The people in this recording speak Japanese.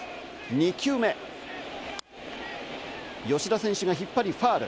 ２球目、吉田選手が引っ張りファウル。